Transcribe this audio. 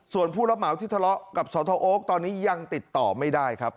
ส่วนผู้รับเหมาที่ทะเลาะกับสทโอ๊คตอนนี้ยังติดต่อไม่ได้ครับ